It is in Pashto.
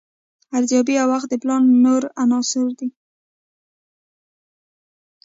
ارزیابي او وخت د پلان نور عناصر دي.